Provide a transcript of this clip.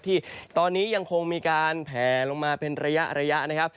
ที่ตอนนี้ยังคงมีการแผลลงมาเป็นระยะนะครับ